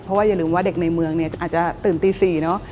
เพราะว่าอย่าลืมว่าเด็กในเมืองเนี่ยอาจจะตื่นตี๔เนอะ